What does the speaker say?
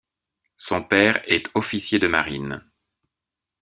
Son père est officier de marine.